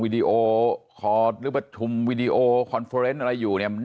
วิดีโอขอเรียบรัสถุมวิดีโออะไรอยู่เนี้ย